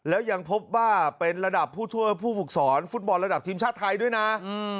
แล้วยังพบว่าเป็นระดับผู้ช่วยผู้ฝึกสอนฟุตบอลระดับทีมชาติไทยด้วยนะ